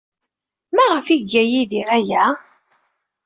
Maɣef ay iga Yidir aya?